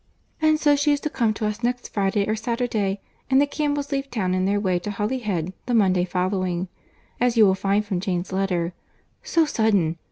"And so she is to come to us next Friday or Saturday, and the Campbells leave town in their way to Holyhead the Monday following—as you will find from Jane's letter. So sudden!